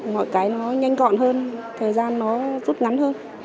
mọi cái nó nhanh gọn hơn thời gian nó rút ngắn hơn